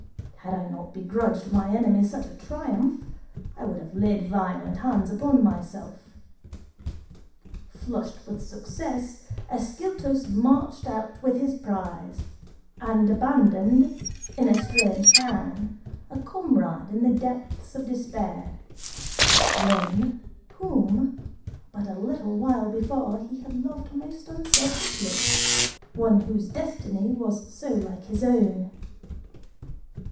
Had I not begrudged my enemy such a triumph, I would have laid violent hands upon myself. Flushed with success, Ascyltos marched out with his prize, and abandoned, in a strange town, a comrade in the depths of despair; one whom, but a little while before, he had loved most unselfishly, one whose destiny was so like his own.